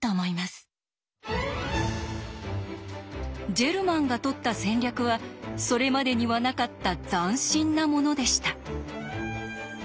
ジェルマンがとった戦略はそれまでにはなかった斬新なものでした。